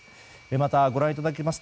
また、ご覧いただけます